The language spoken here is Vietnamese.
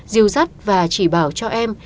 dìu dắt và chỉ bảo cho em